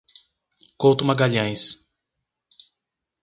Couto Magalhães